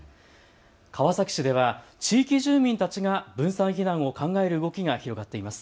川崎市では地域住民たちが分散避難を考える動きが広がっています。